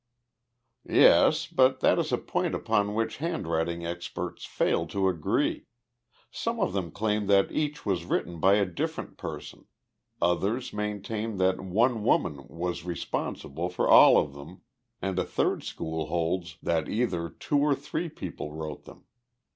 "Yes, but that is a point upon which handwriting experts fail to agree. Some of them claim that each was written by a different person. Others maintain that one woman was responsible for all of them, and a third school holds that either two or three people wrote them.